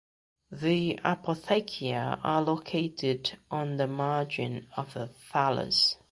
The apothecia are located on the margin of the thallus.